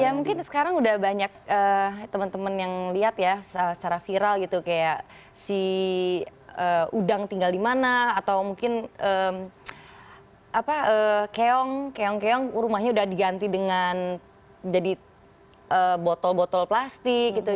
iya mungkin sekarang udah banyak temen temen yang lihat ya secara viral gitu kaya si udang tinggal dimana atau mungkin apa keong keong keong rumahnya udah diganti dengan jadi botol botol plastik gitu